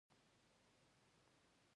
د کریمي صیب پر ځای به کمپیوټر ځواب ورکاوه.